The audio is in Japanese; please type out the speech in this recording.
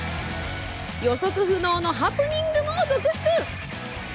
予測不能のハプニングも続出。